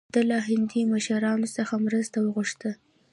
ده له هندي مشرانو څخه مرسته وغوښته.